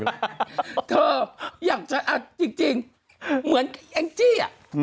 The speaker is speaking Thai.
เธออยากจะจริงเหมือนแองจี้อ่ะ